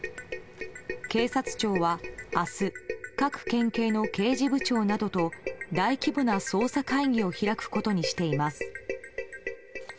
警察庁は明日各県警の刑事部長などと大規模な捜査会議を開くことにしています。